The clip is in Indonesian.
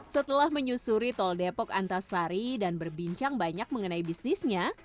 setelah menyusuri tol depok antasari dan berbincang banyak mengenai bisnisnya